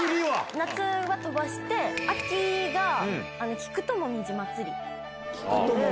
夏は飛ばして、秋が菊と紅葉まつり。